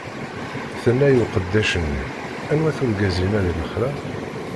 Tenna i uqeddac-nni: Anwa-t urgaz inna di lexla?